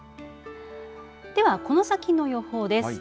では、この先の予報です。